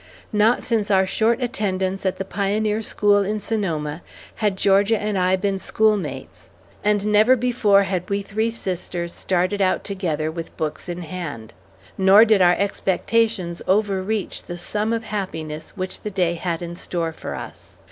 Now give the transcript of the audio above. Not since our short attendance at the pioneer school in Sonoma had Georgia and I been schoolmates, and never before had we three sisters started out together with books in hand; nor did our expectations overreach the sum of happiness which the day had in store for us.